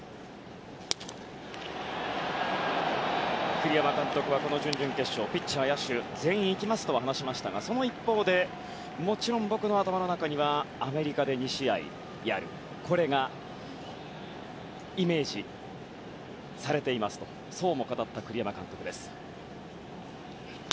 栗山監督はこの準々決勝ピッチャー、野手全員いきますと話しましたがその一方でもちろん僕の頭の中にはアメリカで２試合これがイメージされていますとそうも語った栗山監督です。